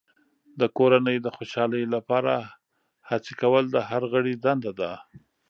د کورنۍ د خوشحالۍ لپاره هڅې کول د هر غړي دنده ده.